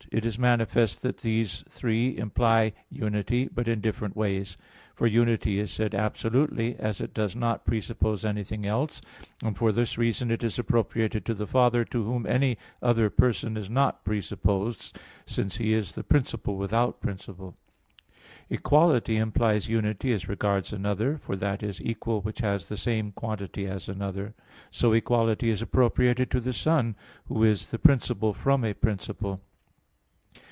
It is manifest that these three imply unity, but in different ways. For "unity" is said absolutely, as it does not presuppose anything else; and for this reason it is appropriated to the Father, to Whom any other person is not presupposed since He is the "principle without principle." "Equality" implies unity as regards another; for that is equal which has the same quantity as another. So equality is appropriated to the Son, Who is the "principle from a principle."